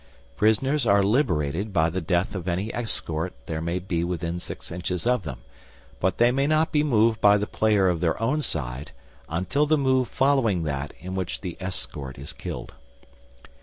Prisoners are liberated by the death of any escort there may be within six inches of them, but they may not be moved by the player of their own side until the move following that in which the escort is killed.